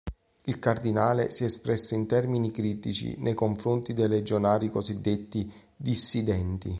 Il cardinale si è espresso in termini critici nei confronti dei legionari cosiddetti "dissidenti".